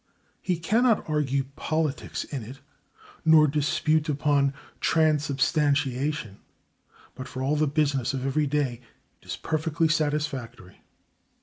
He cannot argue politics in it, nor dispute upon transubstantiation, but for all the business of every day it is perfectly satisfactory.